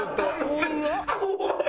怖い！